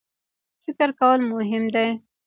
فکر کول مهم دی.